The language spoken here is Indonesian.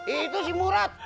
itu si murad